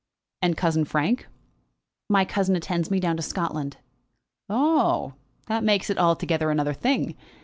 "And cousin Frank?" "My cousin attends me down to Scotland." "Oh h. That makes it altogether another thing.